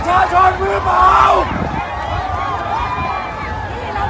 สวัสดีครับทุกคน